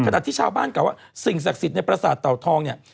ที่ชาวบ้านกล่าวว่าสิ่งศักดิ์สิทธิ์ในประสาทเต่าทองเนี่ย